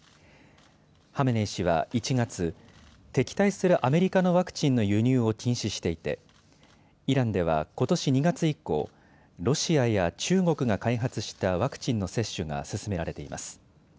ハメネイ師は１月、敵対するアメリカのワクチンの輸入を禁止していてイランではことし２月以降、ロシアや中国が開発したワクチンの接種が進められています。